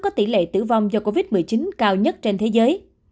có tỷ lệ tử vong do covid một mươi chín cao nhất trên thế giới